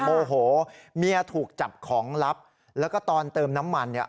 โมโหเมียถูกจับของลับแล้วก็ตอนเติมน้ำมันเนี่ย